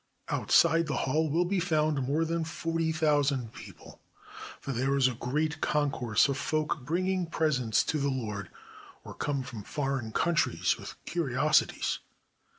Outside the hall will be found more than forty thousand people; for there is a great concourse of folk bringing presents to the lord, or come from foreign countries with curiosities.